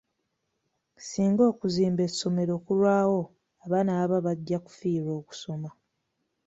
Singa okuzimba essomero kulwawo abaana baba bajja kufiirwa okusoma.